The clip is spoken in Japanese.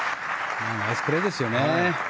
ナイスプレーですよね。